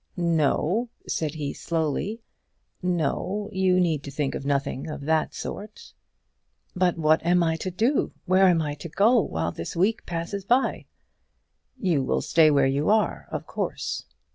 "No," said he slowly, "no; you need think of nothing of that sort." "But what am I to do? Where am I to go while this week passes by?" "You will stay where you are, of course."